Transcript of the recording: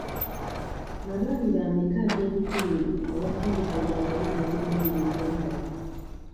Malwaliro ameka ag'ebitundu awasindikibwa abayi getuyina mu Uganda?